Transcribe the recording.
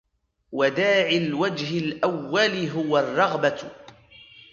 وَدَاعِي الْوَجْهِ الْأَوَّلِ هُوَ الرَّغْبَةُ